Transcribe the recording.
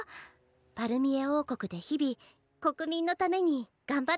パルミエ王国で日々国民のために頑張ってらっしゃるわ。